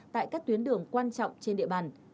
tại các tuyến đường quan trọng trên địa bàn